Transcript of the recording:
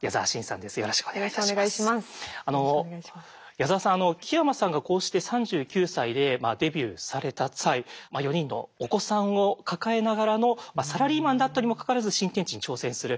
矢沢さん木山さんがこうして３９歳でデビューされた際４人のお子さんを抱えながらのサラリーマンだったにもかかわらず新天地に挑戦する。